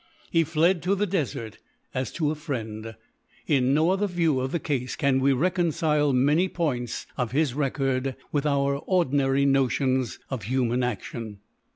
He fled to the desert as to a friend. In no other view of the case can we reconcile many points of his record with our ordinary notions of human action.